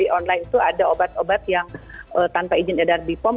di online itu ada obat obat yang tanpa izin edar bipom